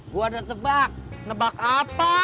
gue ada tebak tebak apa